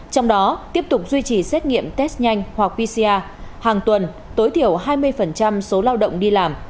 trong đó tiếp tục duy trì xét nghiệm test nhanh hoặc pcr hàng tuần tối thiểu hai mươi số lao động đi làm